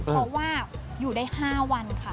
เพราะว่าอยู่ได้๕วันค่ะ